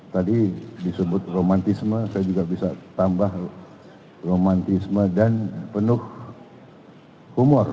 tadi disebut romantisme saya juga bisa tambah romantisme dan penuh humor